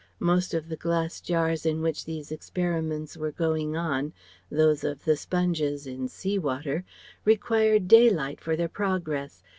Most of the glass jars in which these experiments were going on (those of the sponges in sea water) required daylight for their progress.